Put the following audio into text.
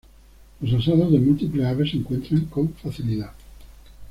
Los asados de múltiples aves se encuentran con facilidad.